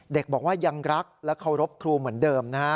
เด็กบอกว่ายังรักและเคารพครูเหมือนเดิมนะฮะ